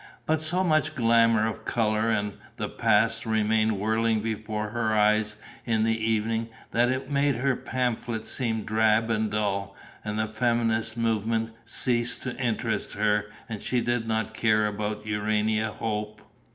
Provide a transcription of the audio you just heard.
But so much glamour of colour and the past remained whirling before her eyes in the evening that it made her pamphlet seem drab and dull; and the feminist movement ceased to interest her and she did not care about Urania Hope.